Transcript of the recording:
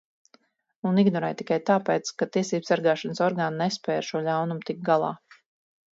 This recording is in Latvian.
Un ignorē tikai tāpēc, ka tiesībsargāšanas orgāni nespēj ar šo ļaunumu tikt galā.